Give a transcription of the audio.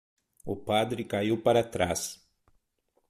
O padre caiu para trás.